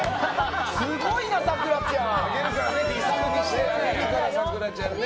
すごいな、さくらちゃん。